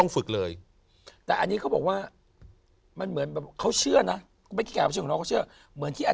เพราะว่าเขาเชื่อนะ